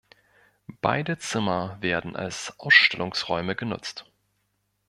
Beide Zimmer werden als Ausstellungsräume genutzt.